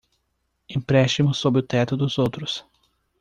Empréstimo sob o teto dos outros